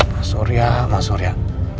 mas surya mas surya